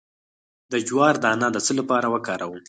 د جوار دانه د څه لپاره وکاروم؟